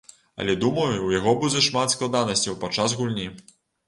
Але думаю, у яго будзе шмат складанасцяў падчас гульні.